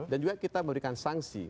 dan juga kita memberikan sanksi